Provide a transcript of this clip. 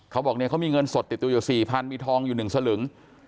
เขาบอกเนี่ยเขามีเงินสดติดตัวอยู่๔๐๐มีทองอยู่๑สลึง